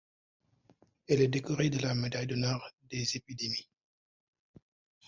Elle est décorée de la médaille d'honneur des épidémies.